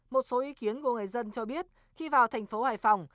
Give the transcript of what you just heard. một số ý kiến của người dân cho biết khi vào thành phố hải phòng